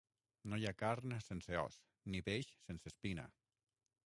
No hi ha carn sense os, ni peix sense espina.